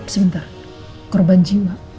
sebentar korban jiwa